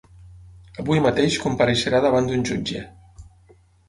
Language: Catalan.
Avui mateix compareixerà davant d’un jutge.